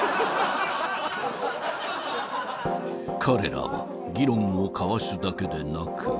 ［彼らは議論を交わすだけでなく］